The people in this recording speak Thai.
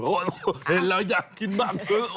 โอ้โฮเห็นแล้วอยากกินมาก